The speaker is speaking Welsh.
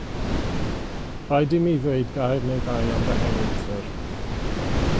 Rhaid i mi ddweud gair neu ddau am fy ewythr.